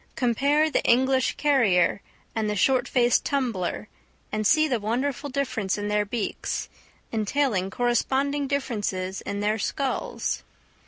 Compare the English carrier and the short faced tumbler, and see the wonderful difference in their beaks, entailing corresponding differences in their skulls.